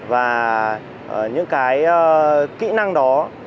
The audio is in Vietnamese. và những cái kỹ năng đó